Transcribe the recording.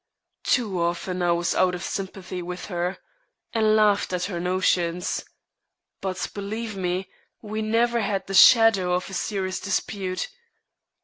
Too often I was out of sympathy with her, and laughed at her notions. But, believe me, we never had the shadow of a serious dispute.